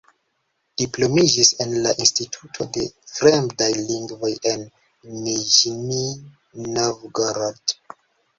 Diplomiĝis en la Instituto de fremdaj lingvoj en Niĵnij Novgorod.